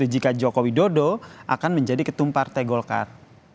jika joko widodo akan menjadi ketum partai golkar